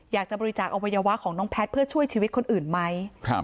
อยากจะบริจาคอวัยวะของน้องแพทย์เพื่อช่วยชีวิตคนอื่นไหม